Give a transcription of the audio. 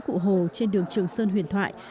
cụ hồ trên đường trường sơn huyền thoại